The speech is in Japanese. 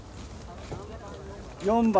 ４番。